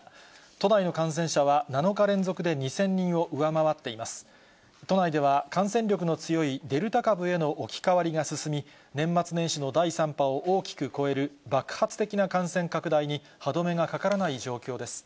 都内では感染力の強いデルタ株への置き換わりが進み、年末年始の第３波を大きく超える爆発的な感染拡大に歯止めがかからない状況です。